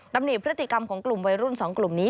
พฤติกรรมของกลุ่มวัยรุ่น๒กลุ่มนี้